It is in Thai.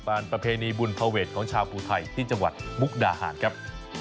ประเพณีบุญภาเวทของชาวภูไทยที่จังหวัดมุกดาหารครับ